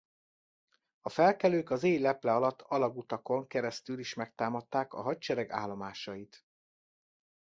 A felkelők az éj leple alatt alagutakon keresztül is megtámadták a Hadsereg állomásait.